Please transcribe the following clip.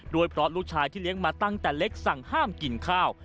ด้วยเพราะลูกชายที่เลี้ยงมาตั้งแต่เล็กสั่งห้ามกินข้าว